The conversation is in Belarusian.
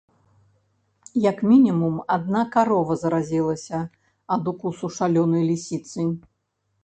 Як мінімум, адна карова заразілася ад укусу шалёнай лісіцы.